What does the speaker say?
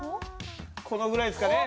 このぐらいですかね。